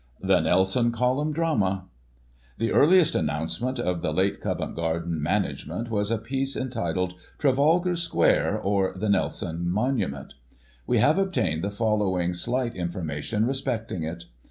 THE NELSON COLUMN DRAMA. The earliest announcement of the late Covent Garden man agement, was a piece entitled ' Trafalgar Square, or the Nelson Monument* We have obtained the following slight information respecting it.